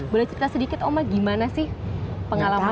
boleh cerita sedikit oma gimana sih pengalaman